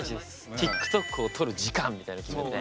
ＴｉｋＴｏｋを撮る時間みたいなの決めて。